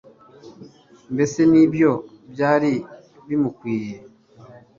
mbese ni byo byari bimukwiye